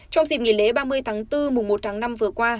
trong dịp nghỉ lễ ba mươi tháng bốn mùa một tháng năm vừa qua